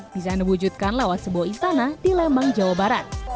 bisa anda wujudkan lewat sebuah istana di lembang jawa barat